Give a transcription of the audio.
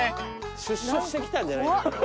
出所してきたんじゃないんだから。